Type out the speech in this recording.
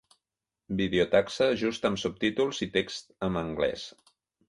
Vídeo Taxa justa amb subtítols i text en anglès.